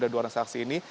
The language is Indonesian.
dari dua orang saksi ini